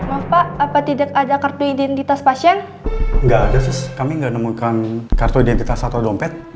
apa apa tidak ada kartu identitas pasien enggak ada kami enggak nemukan kartu identitas atau dompet